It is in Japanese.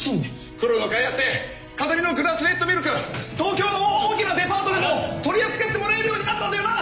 苦労のかいあって風見のグラスフェッドミルク東京の大きなデパートでも取り扱ってもらえるようになったんだよな。